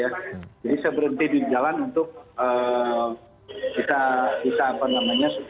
jadi saya berhenti di jalan untuk bisa apa namanya